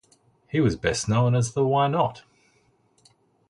He was best known as the Why Not?